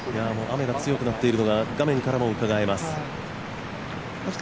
雨が強くなっているのが画面からもうかがえます。